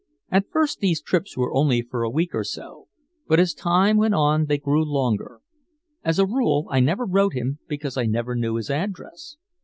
At first these trips were only for a week or so, but as time went on they grew longer. As a rule I never wrote him because I never knew his address.